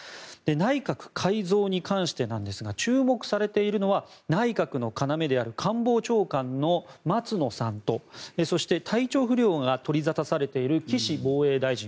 内閣改造に関してなんですが注目されているのは内閣の要である官房長官の松野さんとそして、体調不良が取り沙汰されている岸防衛大臣